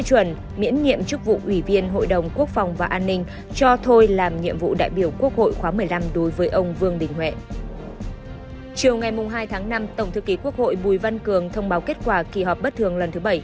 chiều ngày hai tháng năm tổng thư ký quốc hội bùi văn cường thông báo kết quả kỳ họp bất thường lần thứ bảy